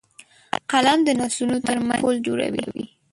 قلم د نسلونو ترمنځ پُل جوړوي